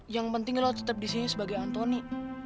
yang pentingnya lo tetap disini sebagai anthony